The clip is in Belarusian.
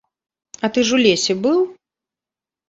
А ты ж у лесе быў?